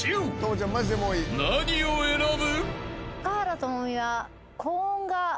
［何を選ぶ？］